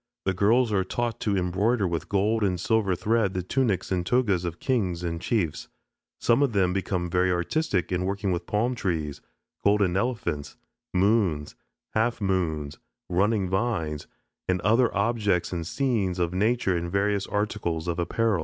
The girls are taught to embroider with gold and silver thread the tunics and togas of kings and chiefs. Some of them become very artistic in working palm trees, golden elephants, moons, half moons, running vines, and other objects and scenes of nature in various articles of apparel.